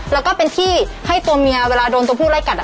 แล้วก็เป็นที่ให้ตัวเมียเวลาโดนตัวผู้ไล่กัดอ่ะ